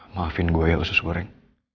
maafin gue ya usus goreng